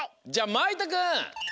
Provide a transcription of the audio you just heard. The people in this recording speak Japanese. まいとくん